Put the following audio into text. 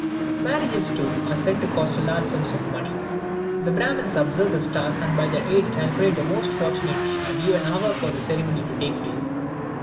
Marriages, too, are said to cost large sums of money. The Brahmins observe the stars, and by their aid calculate the most fortunate day and even hour for the ceremony to take place.